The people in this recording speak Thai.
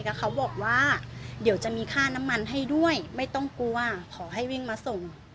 เขาบอกว่าเดี๋ยวจะมีค่าน้ำมันให้ด้วยไม่ต้องกลัวขอให้วิ่งมาส่ง